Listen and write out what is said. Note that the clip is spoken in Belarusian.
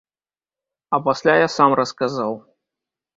А пасля я сам расказаў.